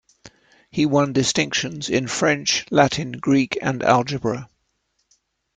He won distinctions in French, Latin, Greek and Algebra.